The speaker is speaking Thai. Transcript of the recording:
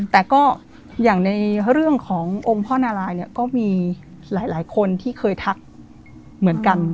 แต่ก็อย่างในเรื่องขององค์พ่อนารายเนี่ยก็มีหลายคนที่เคยทักเหมือนกัน